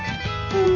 うん。